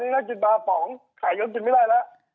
ทุกวันนี้กินมาผ้าของไข่ก็กินไม่ได้แล้ว